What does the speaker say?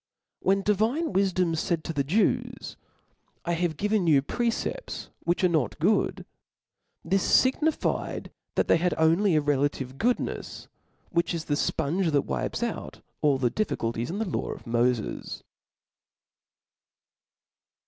When Di* vine Wiidocn faid to the Jews, ^^ I have given '* you precepts which are not good,'' this lignified that they had only a relative gqodnefs \ which is the fponge that wipes out all the difficulties in the law of Mpfes.